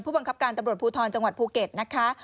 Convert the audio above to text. บังคับการตำรวจภูทรจังหวัดภูเก็ตนะคะ